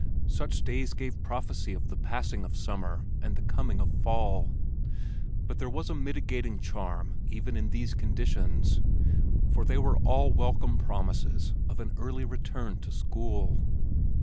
Such days gave prophecy of the passing of summer and the coming of fall. But there was a mitigating charm even in these conditions, for they were all welcome promises of an early return to school.